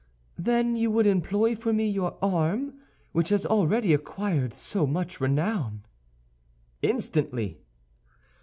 "Then you would employ for me your arm which has already acquired so much renown?" "Instantly!"